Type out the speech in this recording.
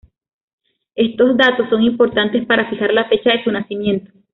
Estos datos son importantes para fijar la fecha de su nacimiento.